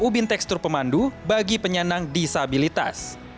ubin tekstur pemandu bagi penyandang disabilitas